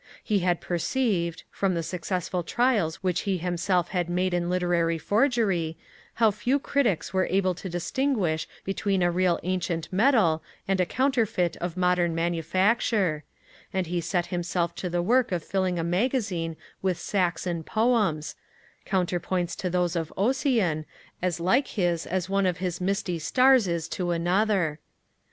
He had perceived, from the successful trials which he himself had made in literary forgery, how few critics were able to distinguish between a real ancient medal and a counterfeit of modern manufacture; and he set himself to the work of filling a magazine with Saxon Poems, counterparts of those of Ossian, as like his as one of his misty stars is to another.